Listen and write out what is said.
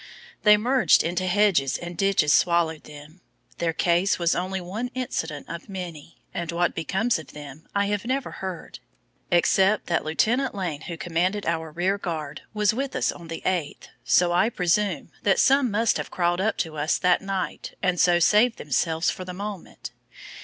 They merged into hedges and ditches swallowed them. Their case was only one incident of many, and what became of them I have never heard, except that Lieutenant Lane who commanded our rear guard was with us on the Eighth, so I presume that some must have crawled up to us that night and so saved themselves for the moment.